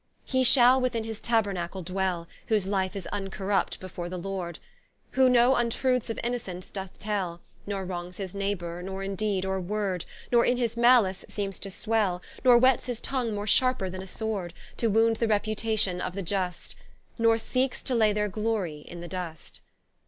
He shall within his Tabernacle dwell, Whose life is vncorrupt before the Lord, Who no vntrueths of Innocents doth tell, Nor wrongs his neighbour, nor in deed, nor word, Nor in his malice seems to swell, Nor whets his tongue more sharper than a sword, To wound the reputation of the Iust; Nor seekes to lay their glorie in the Dust.